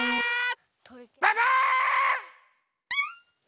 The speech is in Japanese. ババン！